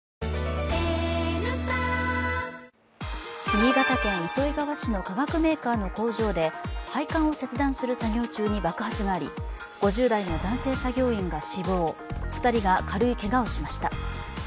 新潟県糸魚川市の化学メーカーの工場で配管を切断する作業中に爆発があり、５０代の男性作業員が死亡、２人が軽いけがをしました。